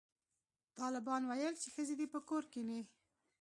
طالبانو ویل چې ښځې دې په کور کښېني